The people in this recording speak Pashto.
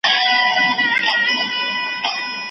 ژبه یې لمبه ده اور په زړه لري